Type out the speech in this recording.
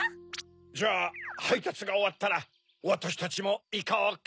じゃあはいたつがおわったらわたしたちもいこうか。